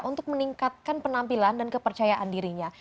untuk meningkatkan penampilan dan kepercayaan dirinya